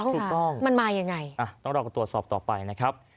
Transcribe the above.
ถูกต้องมันมายังไงอ่ะต้องรอกันตรวจสอบต่อไปนะครับ